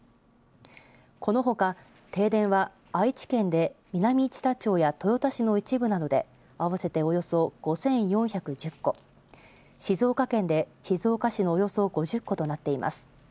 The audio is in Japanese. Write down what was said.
このほか停電は愛知県で南知多町や豊田市の一部などで合わせておよそ５４１０戸、静岡県で静岡市のおよそ５０戸となっています。